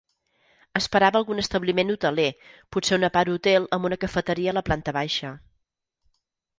Esperava algun establiment hoteler, potser un aparthotel amb una cafeteria a la planta baixa.